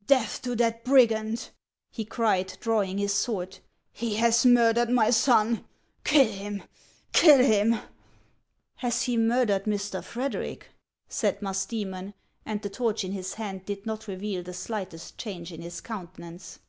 " Death to that brigand !" he cried, drawing his sword ;" he has murdered my son ! Kill him ! kill him .'"" Has he murdered Mr. Frederic ?" said Musdoemon : and the torch in his hand did not reveal the slightest change in his countenance.